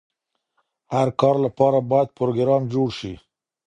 هر کار لپاره باید پروګرام جوړ شي.